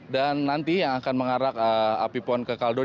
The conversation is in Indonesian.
dan nanti yang akan mengarah api pon ke kaldun